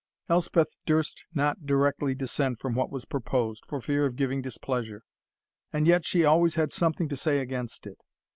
Elspeth durst not directly dissent from what was proposed, for fear of giving displeasure, and yet she always had something to say against it.